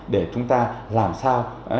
để chúng ta làm sao